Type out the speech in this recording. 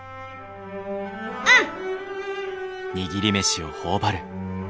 うん！